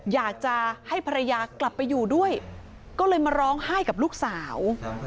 อยากจะให้ภรรยากลับไปอยู่ด้วยก็เลยมาร้องไห้กับลูกสาว